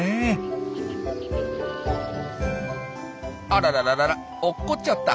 あらららららおっこっちゃった。